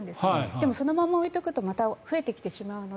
でも、そのまま置いておくとまた増えてきてしまうので。